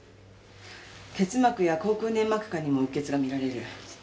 結膜や口腔粘膜下にもうっ血が見られる。